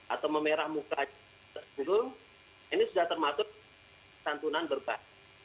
atau memerah muka tersebut ini sudah termasuk santunan berbah